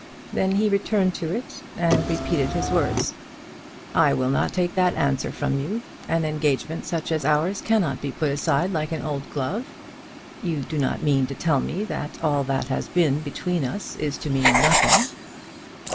Then he returned to it, and repeated his words. "I will not take that answer from you. An engagement such as ours cannot be put aside like an old glove. You do not mean to tell me that all that has been between us is to mean nothing."